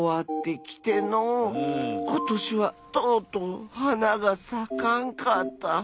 ことしはとうとうはながさかんかった。